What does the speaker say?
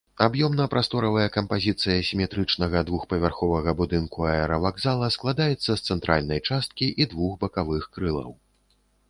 Аб'ёмна-прасторавая кампазіцыя сіметрычнага двухпавярховага будынку аэравакзала складаецца з цэнтральнай часткі і двух бакавых крылаў.